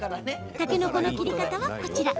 たけのこの切り方はこちら。